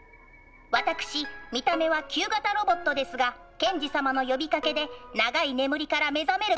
私見た目は旧型ロボットですがケンジ様の呼びかけで長い眠りから目覚めることができました。